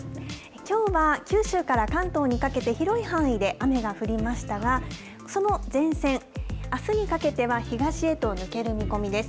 きょうは九州から関東にかけて、広い範囲で雨が降りましたが、その前線、あすにかけては、東へと抜ける見込みです。